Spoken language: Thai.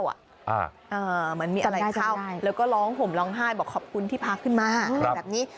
อ่าจำได้จำได้แล้วก็ร้องห่มร้องไห้บอกขอบคุณที่พาขึ้นมาแบบนี้